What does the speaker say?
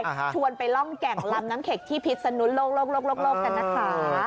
ชวนไปร่องแก่งลำน้ำเข็กที่พิษนุโลกโลกกันนะคะ